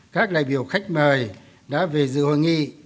các đại biểu khách mời đã về dự hội nghị